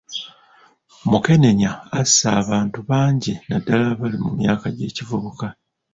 Mukenenya asse abantu bangi naddala abali mu myaka gy’ekivubuka.